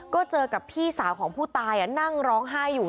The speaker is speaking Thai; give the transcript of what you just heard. ก็เจอกับพี่สาวของผู้ตายนั่งร้องไห้อยู่